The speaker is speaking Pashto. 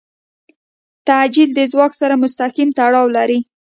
تعجیل د ځواک سره مستقیم تړاو لري.